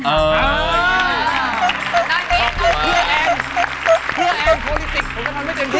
เพื่อแอนโพลิติกผมก็ทนไม่เจ็บ